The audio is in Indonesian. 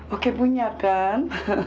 oke punya kan